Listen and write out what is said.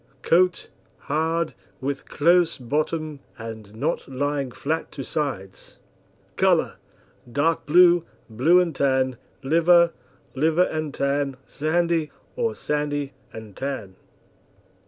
COAT Hard, with close bottom, and not lying flat to sides. COLOUR Dark blue, blue and tan, liver, liver and tan, sandy, or sandy and tan.